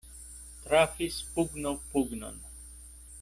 Trafis pugno pugnon.